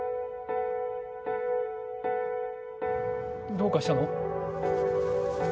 どうかしたの？